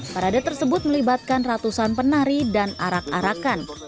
parade tersebut melibatkan ratusan penari dan arak arakan